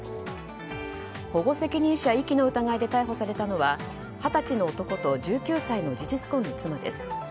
保護責任者遺棄の疑いで逮捕されたのは二十歳の男と１９歳の事実婚の妻です。